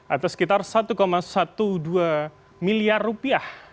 atas sekitar satu enam miliar rupiah dari pbi